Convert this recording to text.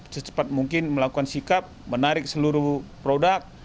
secepat mungkin melakukan sikap menarik seluruh produk